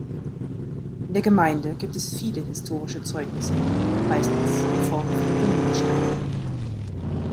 In der Gemeinde gibt es viele historische Zeugnisse, meistens in Form von Runensteinen.